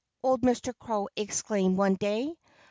old Mr. Crow exclaimed one day.